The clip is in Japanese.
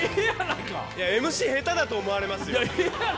ＭＣ下手だと思われますよ。